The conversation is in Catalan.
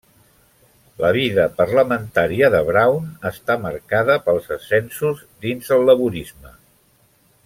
La vida parlamentària de Brown està marcada pels ascensos dins el laborisme.